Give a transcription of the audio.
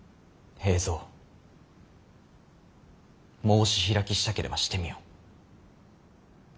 申し開きしたければしてみよ。